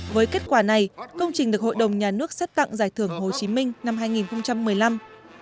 với kết quả này công trình được hội đồng nhà nước xét tặng giải thưởng hồ chí minh năm hai nghìn một mươi năm